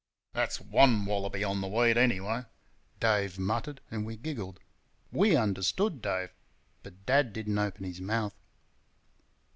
"That's one wallaby on the wheat, anyway," Dave muttered, and we giggled. WE understood Dave; but Dad did n't open his mouth.